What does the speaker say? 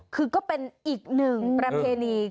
คือก็เป็นอีกหนึ่งประเพณี